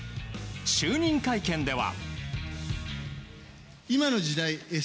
就任会見では。